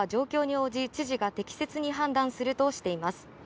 これらは状況に応じ知事が適切に判断するとしています。